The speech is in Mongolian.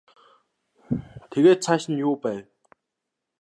Тэгээд цааш нь юу байв?